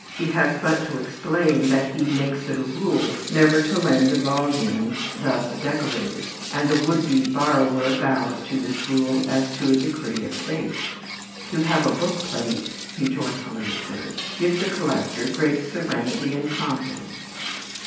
He has but to explain that he "makes it a rule" never to lend a volume thus decorated, and the would be borrower bows to this rule as to a decree of fate. "To have a book plate," he joyfully observes, "gives a collector great serenity and confidence."